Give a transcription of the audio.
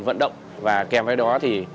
vận động và kèm với đó thì